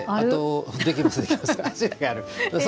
できます。